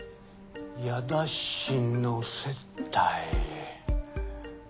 矢田氏の接待。